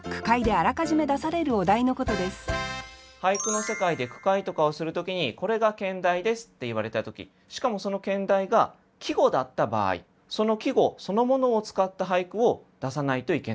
俳句の世界で句会とかをする時にこれが兼題ですって言われた時しかもその兼題が季語だった場合その季語そのものを使った俳句を出さないといけないという。